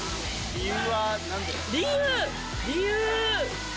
理由。